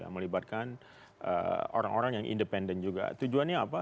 melibatkan orang orang yang independen juga tujuannya apa